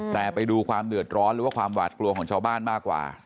แต่ไปดูความเดือดร้อนหรือว่าความหวาดกลัวของชาวบ้านมากกว่า